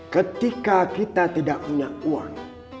ketika kita tidak punya uang